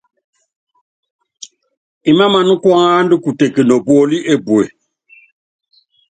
Imámaná kuanda kutek nopúóli epue.